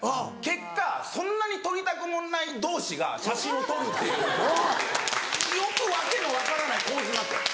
結果そんなに撮りたくもない同士が写真を撮るっていうよく訳の分からない構図になってる。